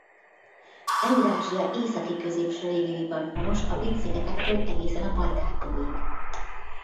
Eurázsia északi-középső régióiban honos a Brit-szigetektől egészen a Bajkál-tóig.